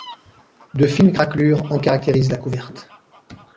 De fines craquelures en caractérisent la couverte.